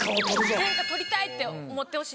天下取りたいって思ってほしい。